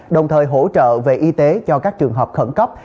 đồng thời hỗ trợ về y tế cho các trường hợp khẩn cấp